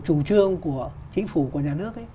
chủ trương của chính phủ của nhà nước